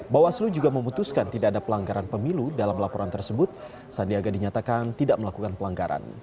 bawaslu juga memutuskan tidak ada pelanggaran pemilu dalam laporan tersebut sandiaga dinyatakan tidak melakukan pelanggaran